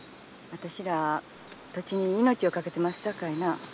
私ら土地に命を懸けてますさかいな。